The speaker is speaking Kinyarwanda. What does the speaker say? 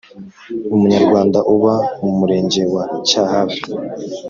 Umunyarwanda uba mu Murenge wa Cyahafi